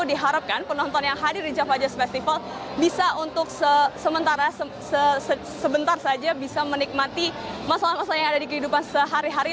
diharapkan penonton yang hadir di java jazz festival bisa untuk sementara sebentar saja bisa menikmati masalah masalah yang ada di kehidupan sehari hari